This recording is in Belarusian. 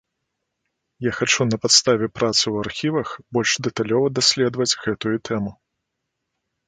Я хачу на падставе працы ў архівах больш дэталёва даследаваць гэтую тэму.